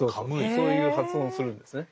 そういう発音をするんですね。